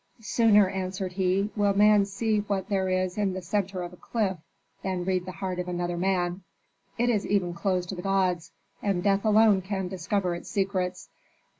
"Sooner," answered he, "will man see what there is in the centre of a cliff than read the heart of another man. It is even closed to the gods, and death alone can discover its secrets."